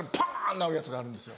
なるやつがあるんですよ。